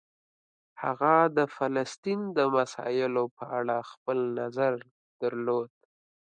هغه د فلسطین د مسایلو په اړه خپل نظر درلود.